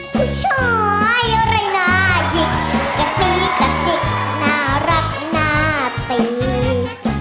ผู้ช่วยอะไรน่าหยิกกระซิกกระซิกน่ารักน่าตื่น